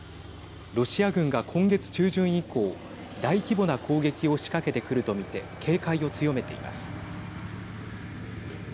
ロシア軍が今月中旬以降大規模な攻撃を仕掛けてくると見て警戒を強めています。